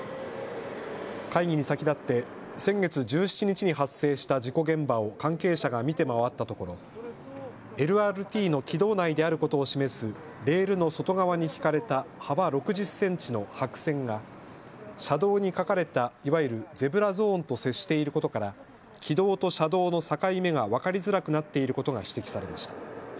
会議に先立って先月１７日に発生した事故現場を関係者が見て回ったところＬＲＴの軌道内であることを示すレールの外側に引かれた幅６０センチの白線が車道に描かれたいわゆるゼブラゾーンと接していることから軌道と車道の境目が分かりづらくなっていることが指摘されました。